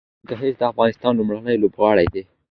جهانګیر د افغانستان لومړنی لوبغاړی دی